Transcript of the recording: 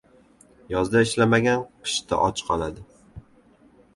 • Yozda ishlamagan qishda och qoladi.